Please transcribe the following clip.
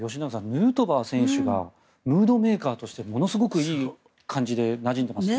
ヌートバー選手がムードメーカーとしてものすごくいい感じでなじんでいますね。